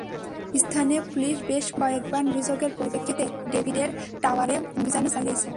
স্থানীয় পুলিশ বেশ কয়েকবার নানান অভিযোগের পরিপ্রেক্ষিতে ডেভিডের টাওয়ারে অভিযানও চালিয়েছে।